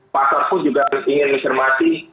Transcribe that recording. pasarku juga ingin mencermati